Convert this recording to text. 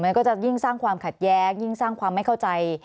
มันก็จะยิ่งสร้างความขัดแย้งยิ่งสร้างความไม่เข้าใจ